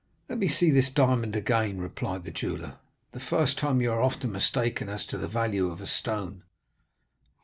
"'Let me see this diamond again,' replied the jeweller; 'the first time you are often mistaken as to the value of a stone.